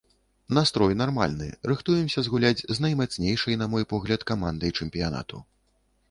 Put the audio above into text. Настрой нармальны, рыхтуемся згуляць з наймацнейшай, на мой погляд, камандай чэмпіянату.